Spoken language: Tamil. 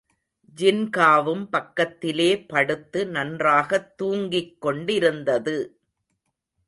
ஜின்காவும் பக்கத்திலே படுத்து நன்றாகத் தூங்கிக்கொண்டிருந்தது.